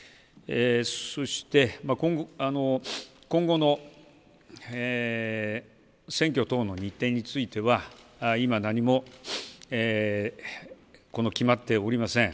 そして、今後の選挙等の日程については今、何も決まっておりません。